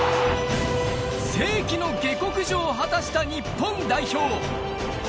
世紀の下克上を果たした日本代表。